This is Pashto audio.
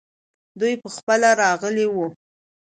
دی پخپله راغلی وو.